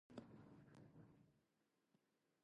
Its county seat is Slayton.